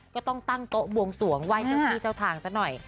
ก็ต้องตั้งโต๊ะบวงสวงไหว้เจ้าที่เจ้าทางซะหน่อย